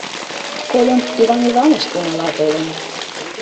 Кольым, Иван Иваныч унала толын.